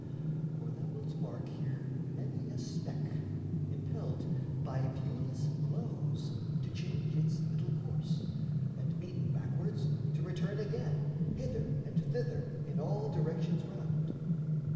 For thou wilt mark here many a speck, impelled By viewless blows, to change its little course, And beaten backwards to return again, Hither and thither in all directions round.